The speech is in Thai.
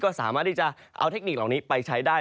ก็สามารถที่จะเอาเทคนิคเหล่านี้ไปใช้ได้